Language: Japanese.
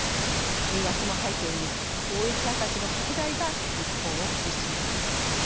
円安も背景に貿易赤字の拡大が日本を苦しめています。